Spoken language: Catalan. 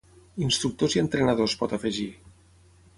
Instructors i entrenadors pot afegir.